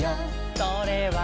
「それはね